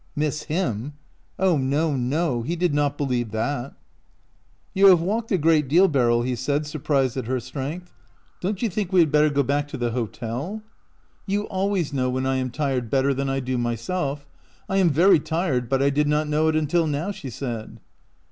Miss him/ Oh no, no, he did not believe that. " You have walked a great .deal, Beryl," he said, surprised at her strength. " Don't 230 OUT OF BOHEMIA you think we had better go back to the hotel ?"" You always know when I am tired bet ter than I do myself. I am very tired, but I did not know it until now," she said.